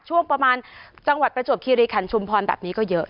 ช่วงประมาณจังหวัดประจวบคิริขันชุมพรแบบนี้ก็เยอะ